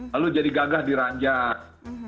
lalu jadi gagah di ranjang